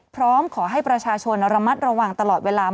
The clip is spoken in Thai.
พร้อมขอให้ประชาชนระมัดระวังตลอดเวลา